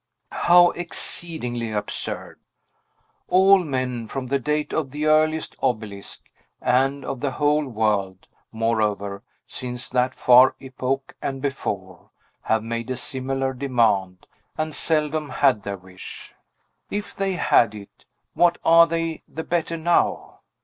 How exceedingly absurd! All men, from the date of the earliest obelisk, and of the whole world, moreover, since that far epoch, and before, have made a similar demand, and seldom had their wish. If they had it, what are they the better now?